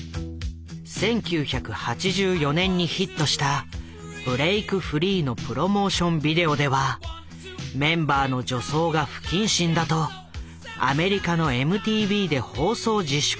１９８４年にヒットした「ブレイクフリー」のプロモーションビデオではメンバーの女装が不謹慎だとアメリカのＭＴＶで放送自粛の措置が取られた。